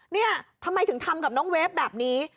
เนี่ยทำไมถึงทำกับน้องเวฟแบบนี้